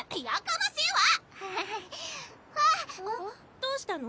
どうしたの？